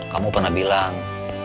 kamu pernah bilang